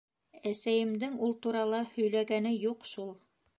— Эсәйемдең ул турала һөйләгәне юҡ шул.